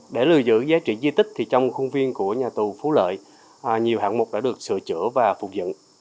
để lưu giữ giá trị di tích trong khuôn viên của nhà tù phú lợi nhiều hạng mục đã được sửa chữa và phục dựng